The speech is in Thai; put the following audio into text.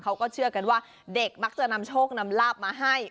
เขาก็เชื่อกันว่าเด็กมักจะนำโชคนำลาบมาให้